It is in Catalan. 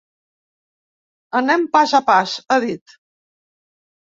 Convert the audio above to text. Anem pas a pas, ha dit.